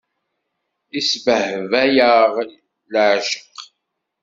Isbehba-yaɣ leɛceq.